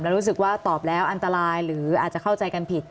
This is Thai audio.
แล้วรู้สึกว่าตอบแล้วอันตรายหรืออาจจะเข้าใจกันผิด